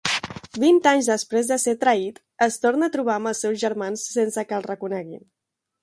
Vint anys després de ser traït, es torna a trobar amb els seus germans sense que el reconeguin.